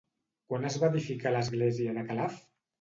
Quan es va edificar l'església de Calaf?